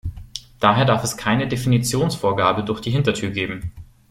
Daher darf es keine Definitionsvorgabe durch die Hintertür geben.